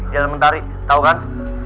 jalan mentari tau kan